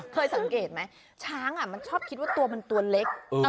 เคยสังเกตไหมช้างมันชอบคิดว่าตัวมันตัวเล็ก